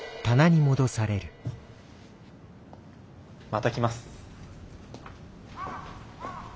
また来ます。